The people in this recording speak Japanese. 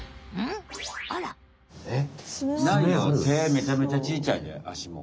めちゃめちゃちいちゃいであしも。